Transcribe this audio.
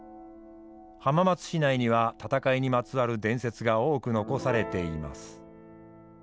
浜松市内には戦いにまつわる伝説が多く残されています。